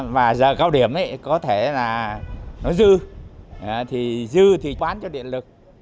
và giờ cao điểm có thể là nó dư thì dư thì bán cho điện lực